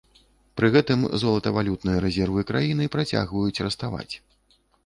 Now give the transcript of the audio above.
Пры гэтым золатавалютныя рэзервы краіны працягваюць раставаць.